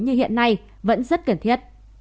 như hiện nay vẫn rất cần thiết